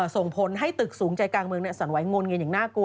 ส่งผลให้ตึกสูงใจกลางเมืองสั่นไหวงนเงินอย่างน่ากลัว